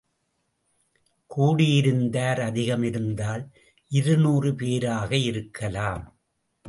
கூடியிருந்தார், அதிகம் இருந்தால், இருநூறு பேராக இருக்கலாம்.